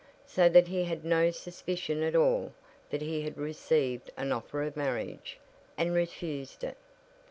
So that he had no suspicion at all that he had received an offer of marriage and refused it.